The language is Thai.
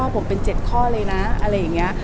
ผมเป็น๗ข้อเลยนะอะไรอย่างนี้